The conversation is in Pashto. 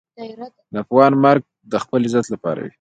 د افغان مرګ د خپل عزت لپاره وي.